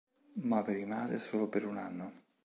Ma vi rimase solo per un anno.